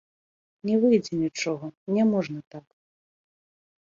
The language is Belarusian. Не выйдзе нічога, няможна так.